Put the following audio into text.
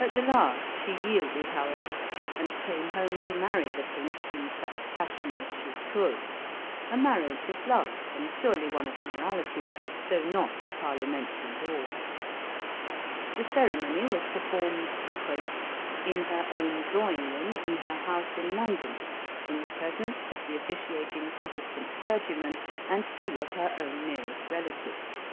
At the last she yielded, however, and came home to marry the prince in such fashion as she could a marriage of love, and surely one of morality, though not of parliamentary law. The ceremony was performed "in her own drawing room in her house in London, in the presence of the officiating Protestant clergyman and two of her own nearest relatives."